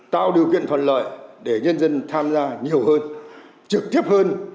tạo điều kiện thuận lợi để nhân dân tham gia nhiều hơn trực tiếp hơn